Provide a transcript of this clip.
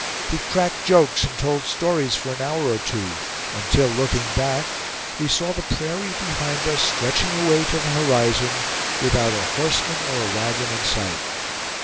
He cracked jokes and told stories for an hour or two; until, looking back, we saw the prairie behind us stretching away to the horizon, without a horseman or a wagon in sight.